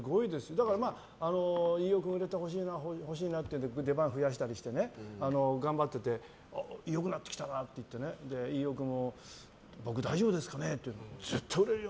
だから飯尾君が売れてほしいなと思って出番を増やしたりして頑張ってて良くなってきたなって言って僕大丈夫ですかね？って言ってきて絶対売れるよ！